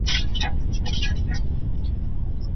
ما په خپل ځان کي درګران که ټوله مینه ماته راکه